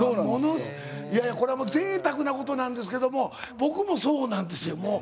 これはぜいたくなことなんですけども僕もそうなんですよもう。